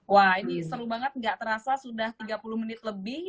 wah ini seru banget gak terasa sudah tiga puluh menit lebih